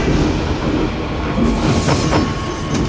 aku akan menangkanmu